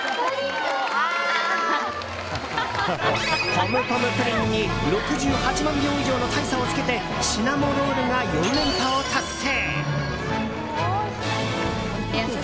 ポムポムプリンに６８万票以上の大差をつけてシナモロールが４連覇を達成！